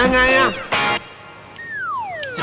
แต่อันนี้อะ